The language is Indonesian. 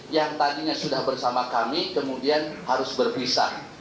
yang tadinya sudah bersama kami kemudian harus berpisah